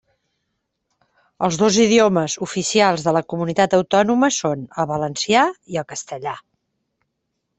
Els dos idiomes oficials de la comunitat autònoma són el valencià i el castellà.